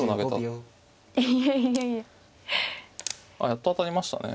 やっと当たりましたね。